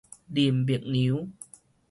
林默娘